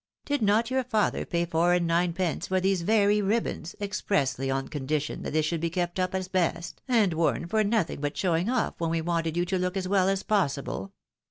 Did not your father pay four and ninepence for these very ribbons, expressly on condition that they should be kept up as best, and worn for nothing but showing off when we wanted you to look as well as possible